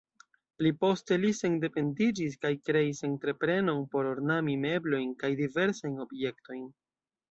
Pli poste li sendependiĝis kaj kreis entreprenon por ornami meblojn kaj diversajn objektojn.